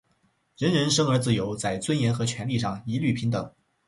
人人生而自由，在尊严和权利上一律平等。